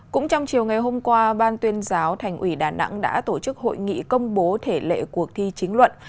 cũng trong chiều ngày hôm qua ban tuyên giáo thành ủy đà nẵng đã tổ chức hội nghị công bố thể lệ cuộc thi chính luận